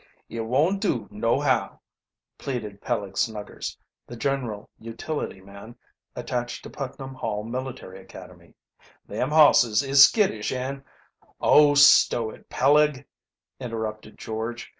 "It won't do, nohow!" pleaded Peleg Snuggers, the general utility man attached to Putnam Hall Military Academy. "Them hosses is skittish, and " "Oh, stow it, Peleg," interrupted George.